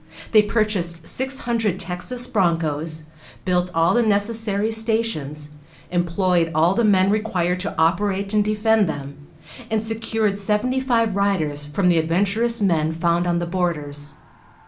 They purchased six hundred Texas bronchos, built all the necessary stations, employed all the men required to operate and defend them, and secured seventy five riders from the adventurous men found on the borders.